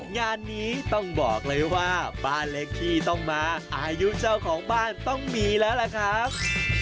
งานนี้ต้องบอกเลยว่าบ้านเล็กที่ต้องมาอายุเจ้าของบ้านต้องมีแล้วล่ะครับ